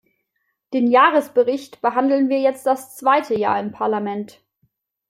Den Jahresbericht behandeln wir jetzt das zweite Jahr im Parlament.